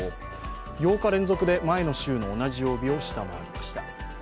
８日連続で前の週の同じ曜日を下回りました。